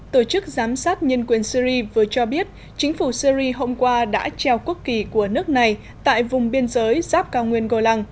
tổ chức giám sát nhân quyền syri vừa cho biết chính phủ syri hôm qua đã treo quốc kỳ của nước này tại vùng biên giới giáp cao nguyên golang